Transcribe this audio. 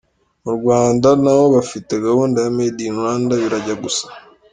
Mu Rwanda na ho bafite gahunda ya ‘Made in Rwanda’, birajya gusa.